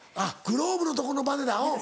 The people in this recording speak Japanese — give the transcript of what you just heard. グローブのとこのバネだうん。